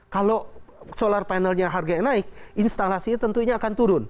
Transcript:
kalau solar panel harganya naik instalasi tentunya akan turun